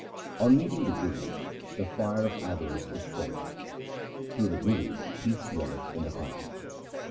On meeting the Guru the fire of avarice is quenched. Through the Guru peace dwelleth in the heart.